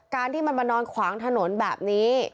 ที่มันมานอนขวางถนนแบบนี้